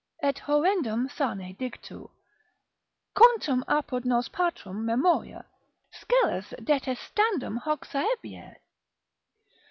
Et horrendum sane dictu, quantum apud nos patrum memoria, scelus detestandum hoc saevierit!